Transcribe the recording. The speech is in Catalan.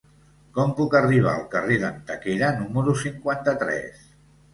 Com puc arribar al carrer d'Antequera número cinquanta-tres?